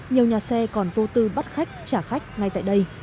nhiều nhà xe còn vô tư bắt khách trả khách ngay tại đây